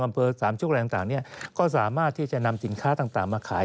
อำเภอสามชุกอะไรต่างเนี่ยก็สามารถที่จะนำสินค้าต่างมาขาย